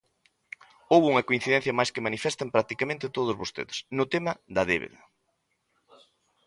Houbo unha coincidencia máis que manifesta en practicamente todos vostedes no tema da débeda.